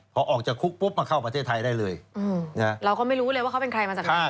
พอออกจากคุกปุ๊บมาเข้าประเทศไทยได้เลยเราก็ไม่รู้เลยว่าเขาเป็นใครมาจากไหน